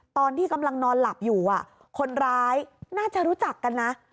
ตอนที่กำลังนอนหลับอยู่คนร้ายน่าจะรู้จักกันนะ